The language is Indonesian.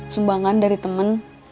sumbangan dari temen